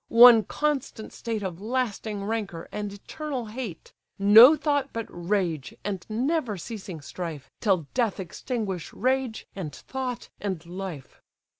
one constant state Of lasting rancour and eternal hate: No thought but rage, and never ceasing strife, Till death extinguish rage, and thought, and life.